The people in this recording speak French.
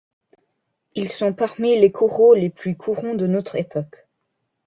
Ils sont parmi les coraux les plus courants de notre époque.